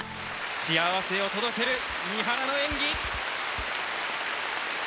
幸せを届ける三原の演技。